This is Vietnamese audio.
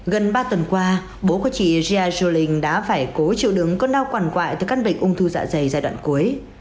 gần ba tuần qua bố của chị jia zhuling đã phải cố chịu đứng con đau quản quại từ các bệnh ung thư dạ dày giai đoạn cuối